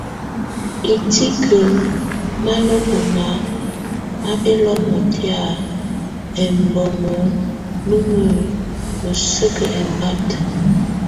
Itǐke malɔbɔna ma bɛlɔnŋɔtɛ ɛmbɔnŋɔ nume məsəkə ɛmbáta.